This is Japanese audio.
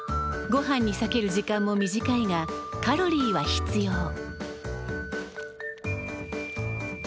ごはんにさける時間も短いがカロリーは必要。